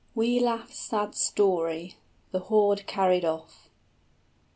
WIGLAF'S SAD STORY. THE HOARD CARRIED OFF.